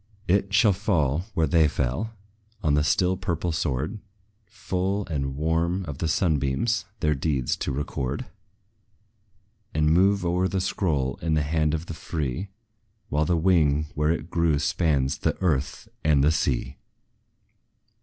It shall fall where they fell, on the still purple sward, Full and warm with the sunbeams their deeds to record; And move o'er the scroll in the hand of the free, While the wing where it grew spans the earth and the sea.